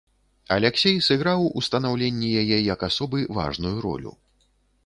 Аляксей сыграў у станаўленні яе як асобы важную ролю.